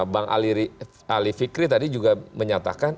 bang ali fikri tadi juga menyatakan